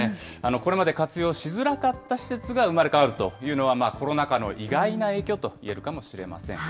これまで活用しづらかった施設が生まれ変わるというのは、コロナ禍の意外な影響といえるかもしれません。